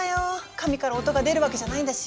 紙から音が出るわけじゃないんだし。